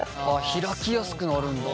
開きやすくなるんだ。